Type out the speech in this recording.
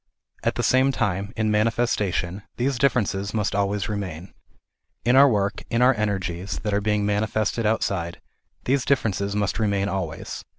At the same time, in manifestation, these differences must always remain. In our work, in our energies that are being manifested outside, these differences must remain always.